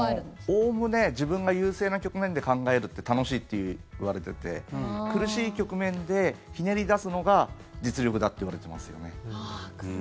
おおむね自分が優勢な局面で考えるって楽しいっていわれていて苦しい局面でひねり出すのが実力だっていわれてますよね。